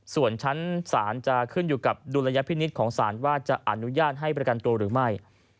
ส่วนชั้นศาลจะขึ้นอยู่กับดุลยพินิษฐ์ของศาลว่าจะอนุญาตให้ประกันตัวหรือไม่